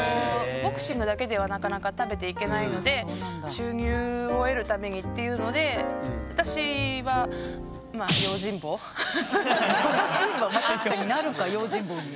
ボクシングだけではなかなか食べていけないので収入を得るためにっていうので私はまあ確かになるか用心棒に。